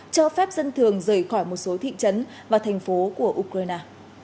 cho phép dân thường rời khỏi một số thị trấn và thành phố của ukraine